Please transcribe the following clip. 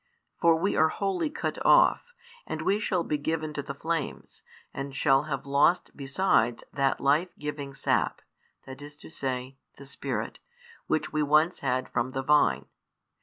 For we are wholly cut off, and we shall be given to the flames, and shall have lost besides that life giving sap, that is to say, the Spirit, Which we once had from the Vine.